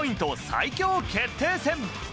最強決定戦。